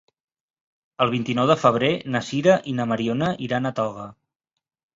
El vint-i-nou de febrer na Sira i na Mariona iran a Toga.